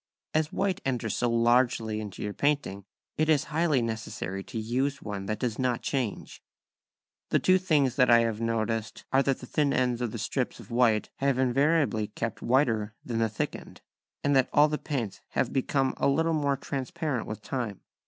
As white enters so largely into your painting it is highly necessary to use one that does not change. The two things that I have noticed are that the thin ends of the strips of white have invariably kept whiter than the thick end, and that all the paints have become a little more transparent with time.